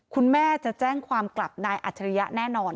คุณแม่จะแจ้งความกลับนายอัจฉริยะแน่นอน